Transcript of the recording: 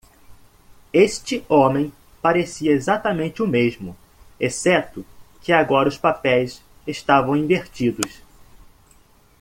Este homem parecia exatamente o mesmo?, exceto que agora os papéis estavam invertidos.